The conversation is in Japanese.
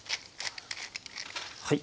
はい。